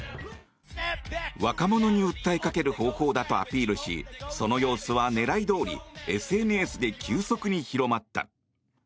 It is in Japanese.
若者に訴えかける方法だとアピールしその様子は狙いどおりＳＮＳで急速に広まった。